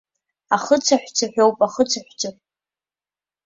Ахы цаҳәцаҳәоуп, ахы цаҳәцаҳә!